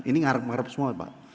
ini mengharap harap semua pak